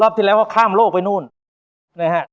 ที่แล้วก็ข้ามโลกไปนู่นนะฮะ